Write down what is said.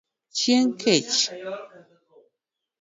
Chieng kech.